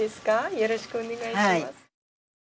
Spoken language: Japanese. よろしくお願いします。